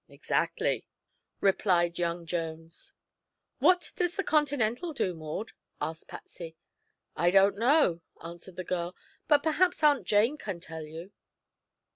"Exactly," replied young Jones. "What does the Continental do, Maud?" asked Patsy. "I don't know," answered the girl; "but perhaps Aunt Jane can tell you."